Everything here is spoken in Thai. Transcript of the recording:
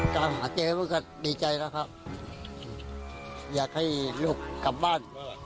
ตามหาแกมันก็ดีใจแล้วครับอยากให้ลูกกลับบ้าน